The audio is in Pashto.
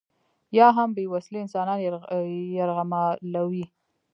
یا هم بې وسلې انسانان یرغمالوي.